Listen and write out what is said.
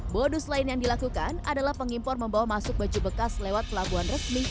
modus lain yang dilakukan adalah pengimpor membawa masuk baju bekas lewat pelabuhan resmi